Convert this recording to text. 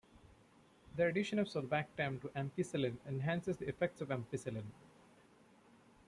The addition of sulbactam to ampicillin enhances the effects of ampicillin.